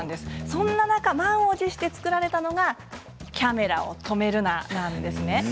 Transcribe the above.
そんな中、満を持して作られたのが、こちらの「キャメラを止めるな！」